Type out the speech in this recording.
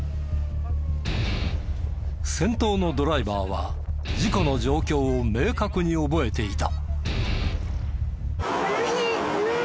先頭のドライバーは事故の状況を明確に覚えていた。